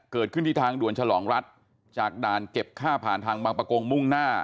เกิดขึ้นที่ทางด่วนฉลองรัฐจากด่านเก็บค่าผ่านทางบางประกงมุ่งหน้า